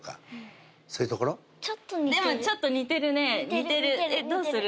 でもちょっと似てるね似てるえっどうする？